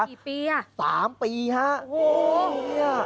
สี่ปีน่ะสามปีฮะโอ้โห